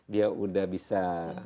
dia sudah bisa